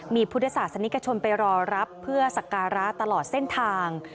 มีพุทธศาสนิกชนไปรอรับเพื่อสักการะตลอดเส้นทาง